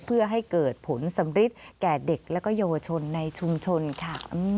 เพื่อให้เกิดผลสำริดแก่เด็กและเยาวชนในชุมชนค่ะ